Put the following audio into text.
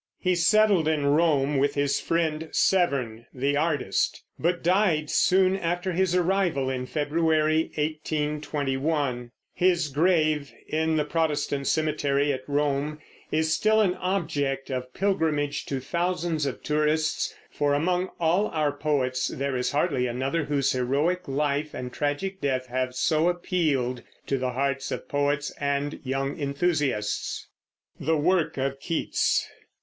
He settled in Rome with his friend Severn, the artist, but died soon after his arrival, in February, 1821. His grave, in the Protestant cemetery at Rome, is still an object of pilgrimage to thousands of tourists; for among all our poets there is hardly another whose heroic life and tragic death have so appealed to the hearts of poets and young enthusiasts. THE WORK OF KEATS.